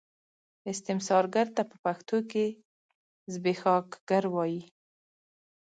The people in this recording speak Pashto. استثمارګر ته په پښتو کې زبېښاکګر وايي.